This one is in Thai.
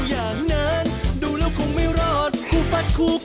ใครไม่รู้ด้วย